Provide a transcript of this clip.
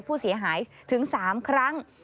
ผู้เสียหายถึง๓ครั้ง